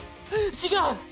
違う！